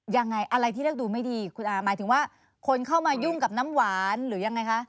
ยังไงอะไรที่เลือกดูไม่ดีคุณอาหมายถึงว่าคนเข้ามายุ่งกับน้ำหวานหรือยังไงคะ